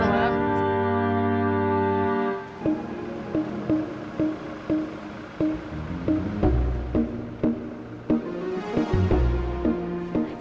kita sudah sampai